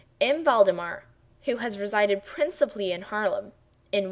M. Valdemar, who has resided principally at Harlem, N.